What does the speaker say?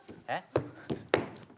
えっ？